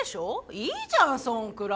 いいじゃんそんくらい。